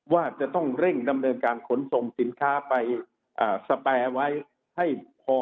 ว่าจะต้องเร่งดำเนินการขนส่งสินค้าไปสแปรไว้ให้พอ